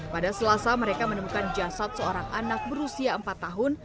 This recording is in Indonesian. pada selasa mereka menemukan jasad seorang anak berusia empat tahun